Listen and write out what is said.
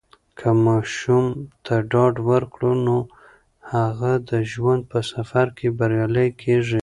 که ماشوم ته ډاډ ورکړو، نو هغه د ژوند په سفر کې بریالی کیږي.